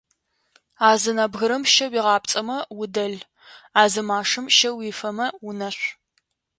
А зы нэбгырэм щэ уигъапцӏэмэ удэл, а зы машэм щэ уифэмэ унэшъу.